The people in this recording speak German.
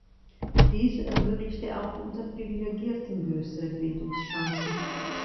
Dies ermöglichte auch Unterprivilegierten größere Bildungschancen.